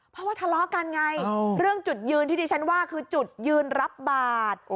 เพราะว่าทะเลาะกันไงเรื่องจุดยืนที่ดิฉันว่าคือจุดยืนรับบาท